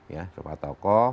ya rumah tokoh